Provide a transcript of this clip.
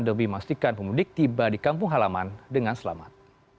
demi memastikan pemudik tiba di kampung halaman dengan selamat